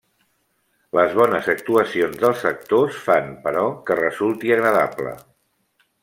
Les bones actuacions dels actors fan, però, que resulti agradable.